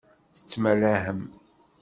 Tettmalahem.